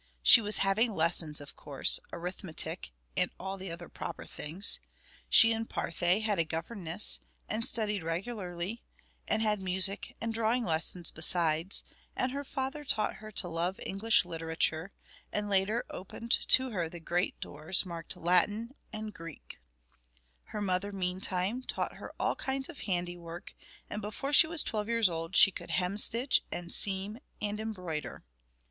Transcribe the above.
She was having lessons, of course; arithmetic, and all the other proper things. She and Parthe had a governess, and studied regularly, and had music and drawing lessons besides; and her father taught her to love English literature, and later opened to her the great doors marked Latin and Greek. Her mother, meantime, taught her all kinds of handiwork, and before she was twelve years old she could hemstitch, and seam and embroider.